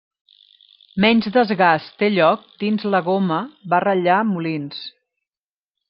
Menys desgast té lloc dins la goma va ratllar molins.